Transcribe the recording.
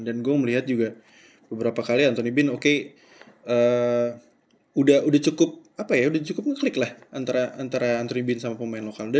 dan gue ngeliat juga beberapa kali anthony bean oke udah cukup apa ya udah cukup ngeklik lah antara anthony bean sama pemain lokal